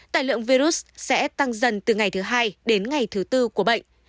tài lượng virus sẽ tăng dần từ ngày thứ hai đến ngày thứ tư của bệnh